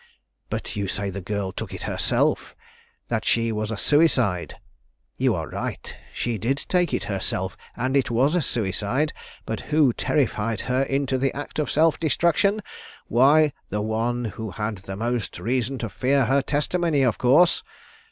But you say the girl took it herself, that she was a suicide. You are right, she did take it herself, and it was a suicide; but who terrified her into this act of self destruction? Why, the one who had the most reason to fear her testimony, of course.